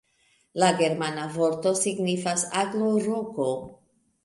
La germana vorto signifas aglo-roko.